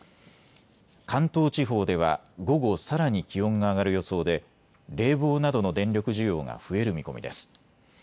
関東地方では午後、さらに気温が上がる予想で冷房などの電力需要が増える見込みです。